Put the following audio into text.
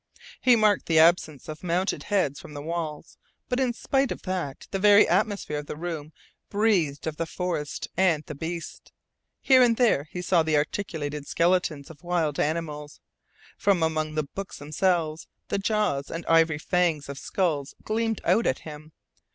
He marked the absence of mounted heads from the walls, but in spite of that the very atmosphere of the room breathed of the forests and the beast. Here and there he saw the articulated skeletons of wild animals. From among the books themselves the jaws and ivory fangs of skulls gleamed out at him.